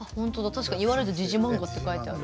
確かに言われたら「時事漫画」って書いてある。